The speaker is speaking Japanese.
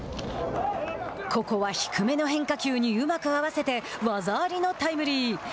ここは低めの変化球にうまく合わせて技ありのタイムリー。